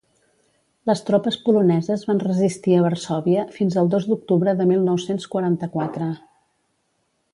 Les tropes poloneses van resistir a Varsòvia fins al dos d'octubre de mil nou-cents quaranta-quatre.